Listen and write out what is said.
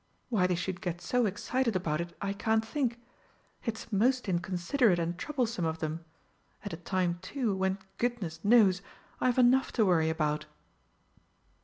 Why they should get so excited about it I can't think. It's most inconsiderate and troublesome of them at a time, too, when, goodness knows, I've enough to worry about!"